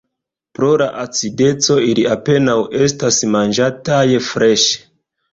Pro la acideco ili apenaŭ estas manĝataj freŝe.